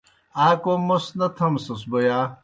آ کوْم موْس نہ تھمسَس بوْ یا؟